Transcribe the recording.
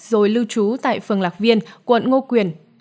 rồi lưu trú tại phường lạc viên quận ngô quyền